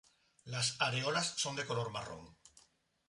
Las areolas son de color marrón.